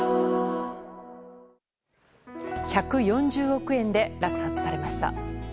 １４０億円で落札されました。